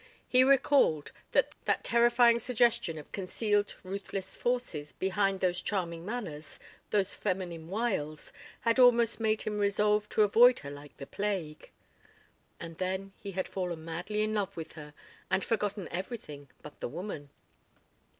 He recalled that that terrifying suggestion of concealed ruthless forces behind those charming manners, those feminine wiles, had almost made him resolve to "avoid her like the plague." And then he had fallen madly in love with her and forgotten everything but the woman.